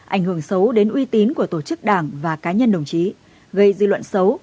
ảnh hưởng xấu đến uy tín của tổ chức đảng và cá nhân đồng chí gây dư luận xấu